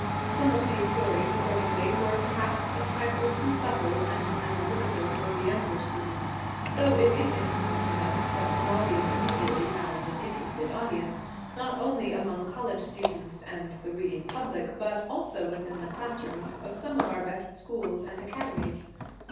Some of these stories, accordingly, were perhaps a trifle too subtle and analytical for the younger student, though it is interesting to note that the volume immediately found an interested audience, not only among college students and the reading public, but also within the classrooms of some of our best schools and academies.